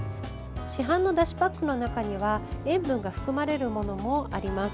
市販のだしパックの中には塩分が含まれるものもあります。